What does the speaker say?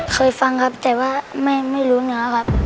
เคยฟังครับแต่ว่าไม่รู้เนื้อครับ